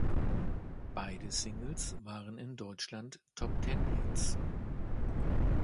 Beide Singles waren in Deutschland Top-Ten-Hits.